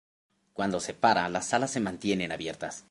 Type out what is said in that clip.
Cuando se para las alas se mantienen abiertas.